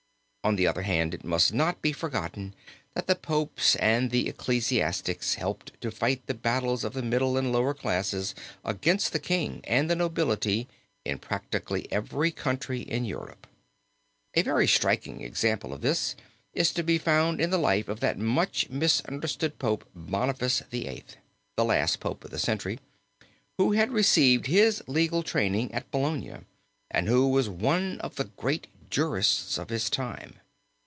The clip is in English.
On the other hand it must not be forgotten that the popes and the ecclesiastics helped to fight the battles of the middle and lower classes against the king and the nobility in practically every country in Europe. A very striking example of this is to be found in the life of that much misunderstood Pope Boniface VIII., the last pope of the century, who had received his legal training at Bologna, and who was one of the great jurists of his time.